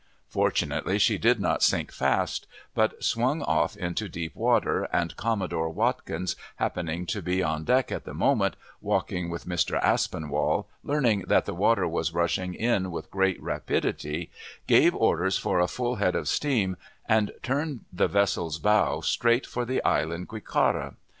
Fortunately she did not sink fast, but swung off into deep water, and Commodore Watkins happening to be on deck at the moment, walking with Mr. Aspinwall, learning that the water was rushing in with great rapidity, gave orders for a full head of steam, and turned the vessel's bow straight for the Island Quicara.